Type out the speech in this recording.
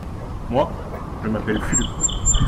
Moi, je m’appelle Fulup.